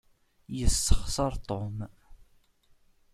Yessexseṛ Tom.